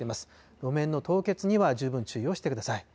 路面の凍結には十分注意をしてください。